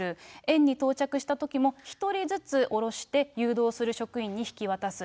園に到着したときも、１人ずつ降ろして、誘導する職員に引き渡す。